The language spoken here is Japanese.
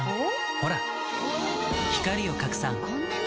ほら光を拡散こんなに！